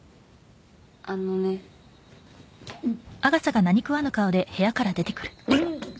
あのねうっ